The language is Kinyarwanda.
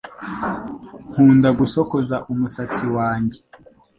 nkunda gosokoza umusatsi wanjye